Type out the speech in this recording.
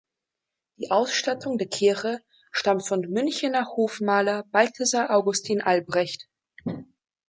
Die Ausstattung der Kirche stammt vom Münchener Hofmaler Balthasar Augustin Albrecht.